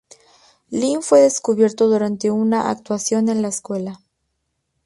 Lin fue descubierto durante una actuación en la escuela.